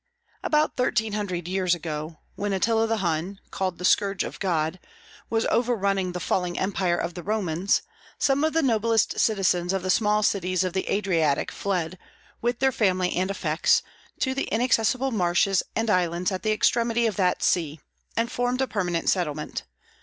About thirteen hundred years ago, when Attila the Hun, called "the scourge of God," was overrunning the falling empire of the Romans, some of the noblest citizens of the small cities of the Adriatic fled, with their families and effects, to the inaccessible marshes and islands at the extremity of that sea, and formed a permanent settlement.